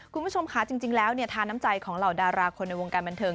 คุณผู้ชมค่ะจริงแล้วทาน้ำใจของเหล่าดาราคนในวงการบันเทิง